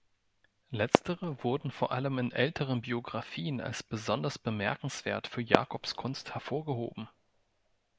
Letztere wurden vor allem in älteren Biographien als besonders bemerkenswert für Jacobs Kunst hervorgehoben.